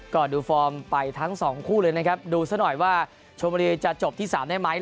ก็ดูฟอร์มไปทั้งสองคู่เลยนะครับดูซะหน่อยว่าชมบุรีจะจบที่๓ได้ไหม